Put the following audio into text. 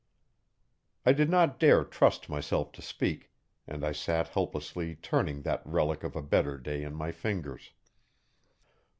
I did not dare trust myself to speak, and I sat helplessly turning that relic of a better day in my fingers.